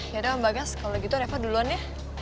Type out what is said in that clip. yaudah om bagas kalo gitu reva duluan ya